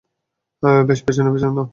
বেশ, পেছনে, পেছনে নাও।